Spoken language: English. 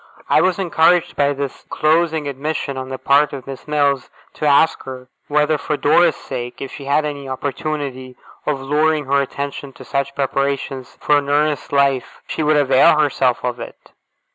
I was encouraged by this closing admission on the part of Miss Mills to ask her, whether, for Dora's sake, if she had any opportunity of luring her attention to such preparations for an earnest life, she would avail herself of it?